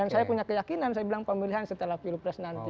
saya punya keyakinan saya bilang pemilihan setelah pilpres nanti